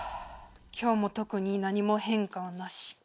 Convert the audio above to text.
今日も特に何も変化はなしか。